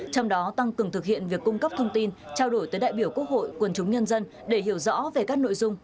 trong đó tăng cường thực hiện việc cung cấp thông tin trao đổi tới đại biểu quốc hội quần chúng nhân dân để hiểu rõ về các nội dung